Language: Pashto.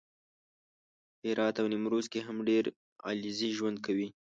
په هرات او نیمروز کې هم ډېر علیزي ژوند کوي